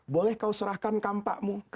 boleh kau serahkan kampakmu